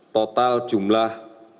total jumlah delapan